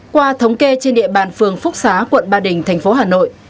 qua thống kê trên địa bàn phường phúc xá quận ba đình thành phố hà nội